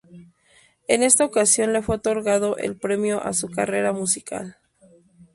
En esta ocasión le fue otorgado el premio a su carrera musical.